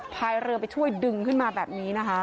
พายเรือไปช่วยดึงขึ้นมาแบบนี้นะคะ